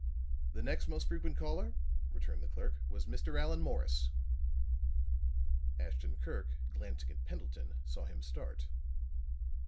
"The next most frequent caller," returned the clerk, "was Mr. Allan Morris." Ashton Kirk, glancing at Pendleton, saw him start.